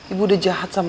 ibu udah jahat sekali ya